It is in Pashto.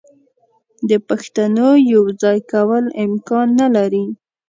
د پښتونو یو ځای کول امکان نه لري.